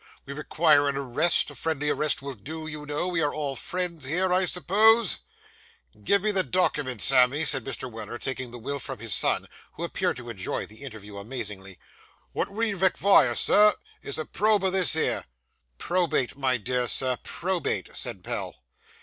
We require an arrest; a friendly arrest will do, you know; we are all friends here, I suppose?' 'Give me the dockyment, Sammy,' said Mr. Weller, taking the will from his son, who appeared to enjoy the interview amazingly. 'Wot we rekvire, sir, is a probe o' this here.' 'Probate, my dear Sir, probate,' said Pell.